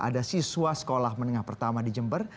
ada siswa sekolah menengah pertama di jember